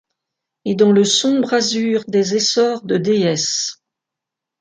Et dans le sombre azur des essors de déesses.